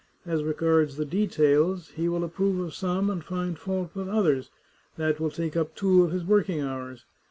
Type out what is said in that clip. As regards the details, he will approve of some and find fault with others; that will take up two of his working hours.